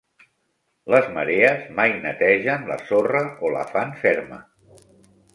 Les marees mai netegen la sorra o la fan ferma.